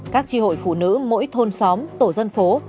các tri hội phụ nữ mỗi thôn xóm tổ dân phố